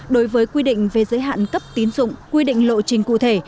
đối với quy định về giới hạn cấp tín dụng quy định lộ trình cụ thể